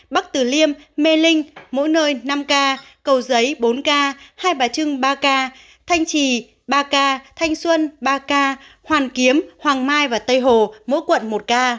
bắc từ liêm mê linh mỗi nơi năm ca cầu giấy bốn ca hai bà trưng ba ca thanh trì ba ca thanh xuân ba ca hoàn kiếm hoàng mai và tây hồ mỗi quận một ca